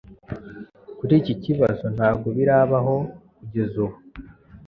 kuri iki kibazo ntabwo birabaho kugeza ubu.